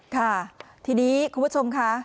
ค่ะทีนี้คุณผู้ชมค่ะ